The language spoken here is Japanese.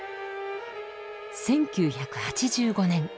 １９８５年。